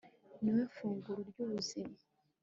ni wowe funguro ry'ubuzima